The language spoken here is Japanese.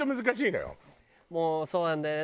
もうそうなんだよね。